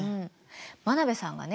真鍋さんがね